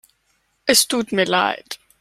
Es tut mir leid.